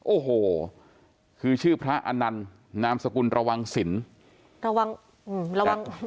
โอ้โหคือชื่อพระอนันนามสกุลรวางศิลป์